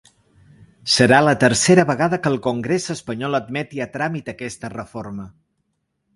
Serà la tercera vegada que el congrés espanyol admeti a tràmit aquesta reforma.